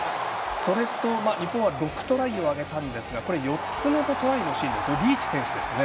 それと、日本は６トライを挙げたんですが４つ目のトライのシーンリーチ選手ですね。